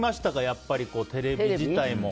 やっぱりテレビ自体も。